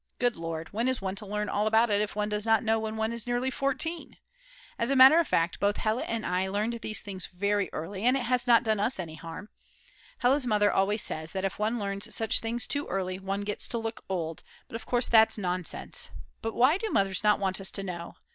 Good Lord, when is one to learn all about it if one does not know when one is nearly 14! As a matter of fact both Hella and I learned these things very early, and it has not done us any harm. Hella's mother always says that if one learns such things too early one gets to look old; but of course that's nonsense. But why do mothers not want us to know?